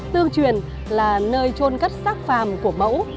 tương truyền là nơi trôn cất sắc phàm của mẫu